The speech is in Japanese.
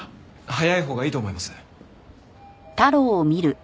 早いほうがいいと思います。